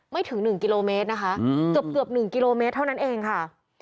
ถึง๑กิโลเมตรนะคะเกือบ๑กิโลเมตรเท่านั้นเองค่ะ